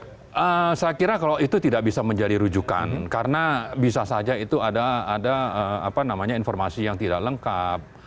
ya saya kira kalau itu tidak bisa menjadi rujukan karena bisa saja itu ada informasi yang tidak lengkap